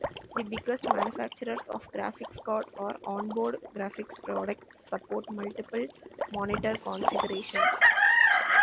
The biggest manufacturers of graphics card or on-board graphics products support multiple monitor configurations.